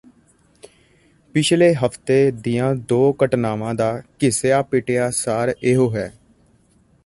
ਪਿਛਲੇ ਹਫ਼ਤੇ ਦੀਆਂ ਦੋ ਘਟਨਾਵਾਂ ਦਾ ਘਿਸਿਆਪਿਟਿਆ ਸਾਰ ਇਹੋ ਹੈ